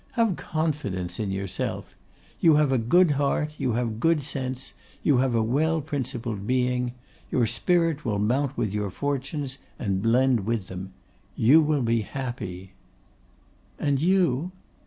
Have confidence in yourself. You have a good heart; you have good sense; you have a well principled being. Your spirit will mount with your fortunes, and blend with them. You will be happy.' 'And you?